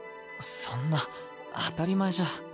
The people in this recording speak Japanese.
そんな当たり前じゃ。